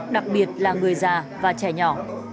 đặc biệt là người già và trẻ nhỏ